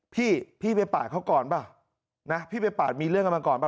พี่พี่ไปปาดเขาก่อนเปล่านะพี่ไปปาดมีเรื่องกันมาก่อนป่